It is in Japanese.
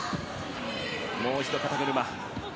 もう一度、肩車。